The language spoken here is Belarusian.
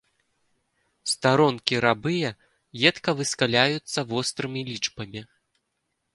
Старонкі рабыя едка выскаляюцца вострымі лічбамі.